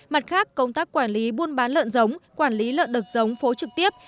mặt khác công tác quản lý buôn bán lợn giống quản lý lợn đực giống phố trực tiếp